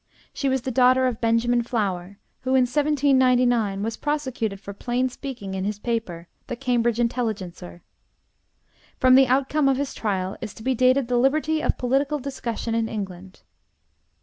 She was the daughter of Benjamin Flower, who in 1799 was prosecuted for plain speaking in his paper, the Cambridge Intelligencer. From the outcome of his trial is to be dated the liberty of political discussion in England.